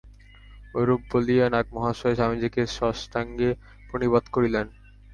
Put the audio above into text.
ঐরূপ বলিয়া নাগ-মহাশয় স্বামীজীকে সাষ্টাঙ্গে প্রণিপাত করিলেন।